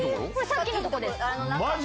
さっきのとこです。